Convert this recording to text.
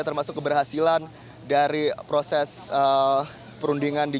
termasuk keberhasilan dari proses perundingan